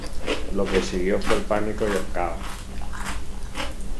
Lo que siguió fue el pánico y el caos.